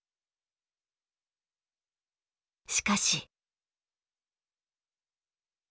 しかし。